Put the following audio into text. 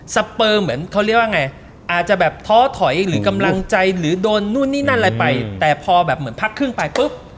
สเปอร์เหมือนเขาเรียกว่าไงอาจจะแบบท้อถอยหรือกำลังใจหรือโดนนู่นนี่นั่นอะไรไปแต่พอแบบเหมือนพักครึ่งไปปุ๊บ